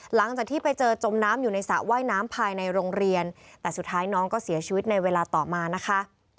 หลังจากที่ไปเจอจมน้ำอยู่ในสระว่ายน้ำภายในโรงเรียนแต่สุดท้ายน้องก็เสียชีวิตในเวลาต่อมานะคะ